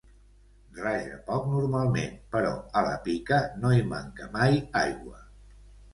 Raja poc normalment, però a la pica no hi manca mai aigua.